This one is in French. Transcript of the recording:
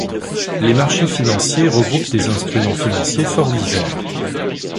Les marchés financiers regroupent des instruments financiers fort divers.